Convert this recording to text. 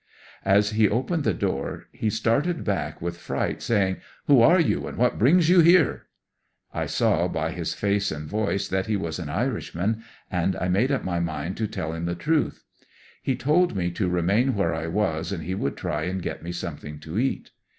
As he opened the door he started back with fright, saying, Who are you and what brings you here?" I saw by his face and voice that he was an Irishman, and I made up my mind to tell him the truth. He told me to remain where I was and he would try and get me something to eat.